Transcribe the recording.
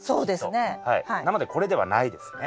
なのでこれではないですね。